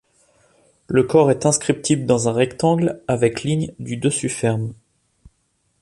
Le corps est inscriptible dans un rectangle, avec ligne du dessus ferme.